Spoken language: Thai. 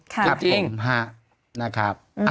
ครับผมนะครับ